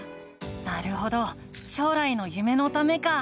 なるほど将来の夢のためか。